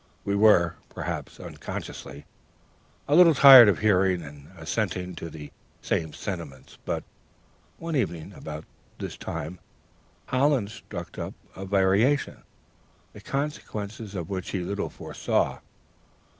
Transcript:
We were, perhaps unconsciously, a little tired of hearing and assenting to the same sentiments. But, one evening, about this time, Hollins struck upon a variation, the consequences of which he little foresaw.